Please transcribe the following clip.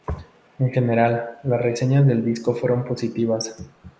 En general, las reseñas del disco fueron positivas.